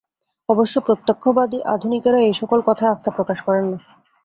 অবশ্য প্রত্যক্ষবাদী আধুনিকেরা এ সকল কথায় আস্থা প্রকাশ করেন না।